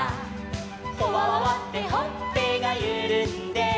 「ほわわわってほっぺがゆるんで」